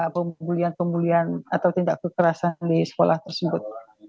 pemulihan pembulian atau tindak kekerasan di sekolah tersebut